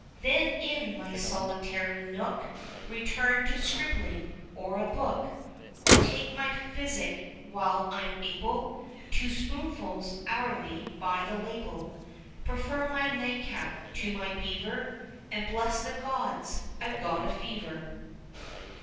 Then, in my solitary nook, Return to scribbling, or a book, 40 Or take my physic while I'm able (Two spoonfuls hourly by the label), Prefer my nightcap to my beaver, And bless the gods I've got a fever.